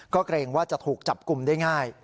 ก็เกรงว่าจะถูกจับกลุ่มได้ง่าย